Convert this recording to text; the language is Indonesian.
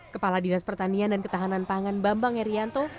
kepala dinas pertanian dan ketahanan pangan bambang erianto